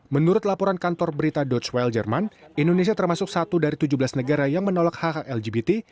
menurut laporan kantor berita dotchwell jerman indonesia termasuk satu dari tujuh belas negara yang menolak hk lgbt